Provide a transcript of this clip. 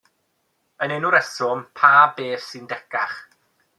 Yn enw rheswm, pa beth sy decach?